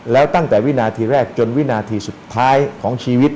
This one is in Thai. แล้วตั้งแต่วินาทีแรกจนวินาทีสุดท้ายของชีวิต